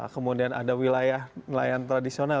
kemudian ada wilayah nelayan tradisional